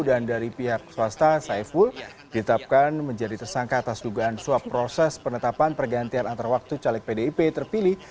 dan dari pihak swasta saiful ditetapkan menjadi tersangka atas dugaan suap proses penetapan perdantian antar waktu caleg pdip terpilih